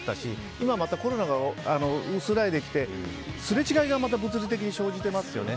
今、またコロナが薄らいできてすれ違いがまた物理的に生じてますよね。